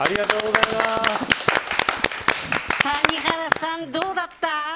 谷原さん、どうだった。